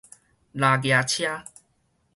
蟧蜈車